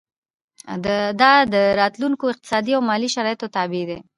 دا د راتلونکو اقتصادي او مالي شرایطو تابع دي.